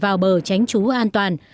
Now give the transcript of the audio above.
vào bờ tránh trú an toàn